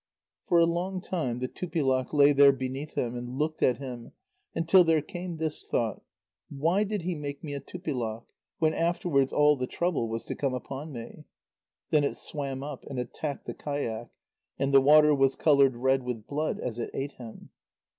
For a long time the Tupilak lay there beneath him, and looked at him, until there came this thought: "Why did he make me a Tupilak, when afterwards all the trouble was to come upon me?" Then it swam up and attacked the kayak, and the water was coloured red with blood as it ate him.